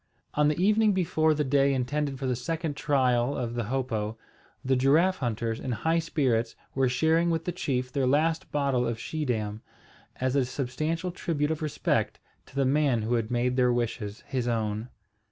On the evening before the day intended for the second trial of the hopo, the giraffe hunters, in high spirits, were sharing with the chief their last bottle of Schiedam, as a substantial tribute of respect to the man who had made their wishes his own.